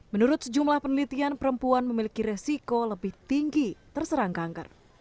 menurut sejumlah penelitian perempuan memiliki resiko lebih tinggi terserang kanker